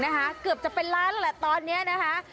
เกือบจะเป็นล้านแหละตอนนี้นะคะ